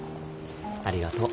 ありがとう。